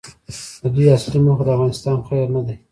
د دوی اصلي موخه د افغانستان خیر نه دی.